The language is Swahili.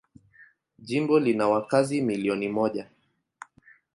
Jimbo lina wakazi milioni moja.